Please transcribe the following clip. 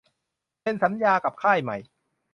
เซ็นสัญญากับค่ายใหม่